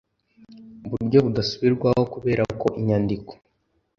buryo budasubirwaho kubera ko inyandiko